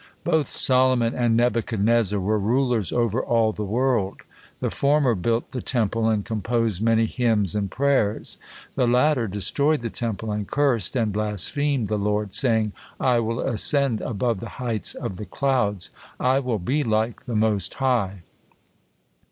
Both Solomon and Nebuchadnezzar were rulers over all the world: the former built the Temple and composed many hymns and prayers, the latter destroyed the Temple and cursed and blasphemed the Lord, saying, "I will ascend above the heights of the clouds; I will be like the Most High."